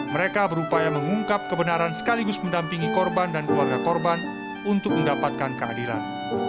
mereka berupaya mengungkap kebenaran sekaligus mendampingi korban dan keluarga korban untuk mendapatkan keadilan